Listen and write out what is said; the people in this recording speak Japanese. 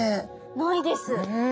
ないです。